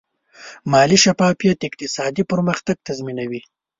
مالي شفافیت اقتصادي پرمختګ تضمینوي.